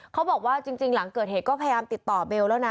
เขาบอกว่าจริงหลังเกิดเหตุก็พยายามติดต่อเบลแล้วนะ